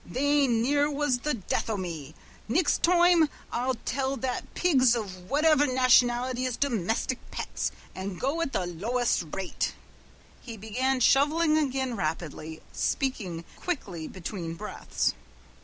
They near was the death o' me. Nixt toime I'll know that pigs of whaiver nationality is domistic pets an' go at the lowest rate." He began shoveling again rapidly, speaking quickly between breaths.